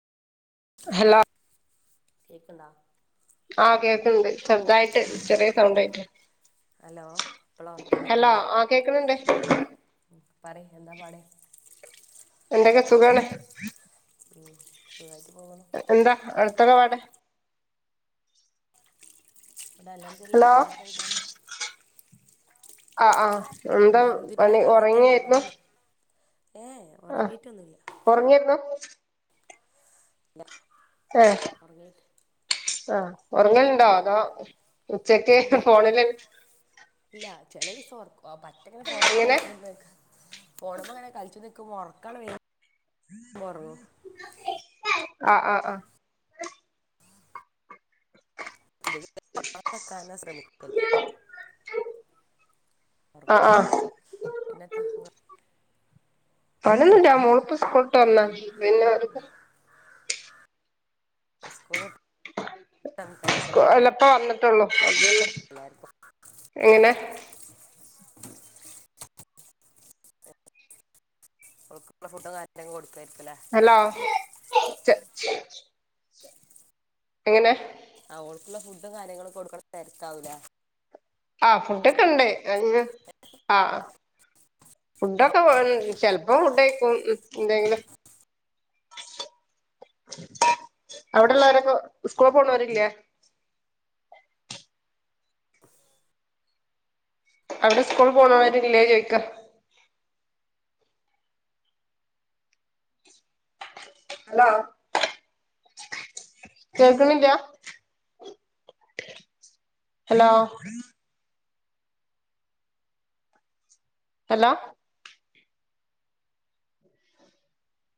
Hello കേക്കണ്ട? ആ കേക്കണ്ട് ചെറതായിട്ട് ചെറിയ സൗണ്ടയിട്ട്. ഹലോ ഇപ്പോൾ ഹലോ ഉറക്കനേക്കണ്ട ആഹ് കേക്കുന്നുണ്ട്. പറയ് എന്താ പാടെ? എന്തൊക്കെ സുഖാണ്. സുഖയിട്ട് പോകണ്. എന്താ അടുത്ത ഇടപാട് ഹലോ അൽഹംദുലില്ലാഹ് റാഹത്തായി പോണം. ആഹ് ആഹ് എന്താ അൽഹംദുലില്ലാ പണി ഉറങ്ങിയപ്പൊ? ഏഹ് ഉറങ്ങിയിട്ടൊന്നുല്ല. ഉറങ്ങയിരുന്നു? ഇല്ല ഏഹ് ഉറങ്ങിയിട്ട് ആഹ് ഒറങ്ങൽണ്ടോ അതൊ ഉച്ചക്ക് ഉണ്ട് ഫോണില് ഇല്ല ചില ദിവസം ഓർക്കും ആഹ് പറ്റെങ്ങനെ ഫോണുമ്മേ എങ്ങനെ കളിച് ഫോൺമ്മേങ്ങനെ കളിച്ചു നിക്കുമ്പോ ഉറക്കാണ് വരുമ്പോ ഉറങ്ങും. ആ ആ ആ [inaudible] ആ ആ പിന്നെത്ത? പണിയൊന്നുല്ല മോൾപ്പ സ്കൂൾ ട്ട് വന്ന പിന്നെ സ്കൂൾ വിട്ട് വന്നേക്കുംണ്ടാവില ട്ടള്ളൂ [inaudible] ഓക്കള്ള ഫുഡും കാര്യങ്ങളും കൊടുക്കയിരിക്കല ഹലോ ചെ എങ്ങനെ? ഓൾക്കുള്ള ഫുഡും കാര്യങ്ങളൊക്ക കൊടുക്കണ നെരത്താവൂല. ആ ഫുഡൊക്കെ ണ്ടേ ആ ആ ഹലോ ഫുഡൊക്കെ ഇവ ചെലപ്പോം ഫുഡയിക്കും എന്തെങ്കിലും. അവിടെള്ളവരൊക്ക സ്കൂളക്കൊണരില്ലേ? [inaudible] അവിടെ സ്കൂൾ പോണവരില്ലേ ചോയ്ക്ക? ഹലോ കേക്കുന്നില്ല ഹലോ? ഹലോ